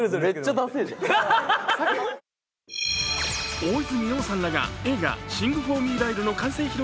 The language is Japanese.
大泉さんらが映画「シング・フォー・ミー、ライル」の完成披露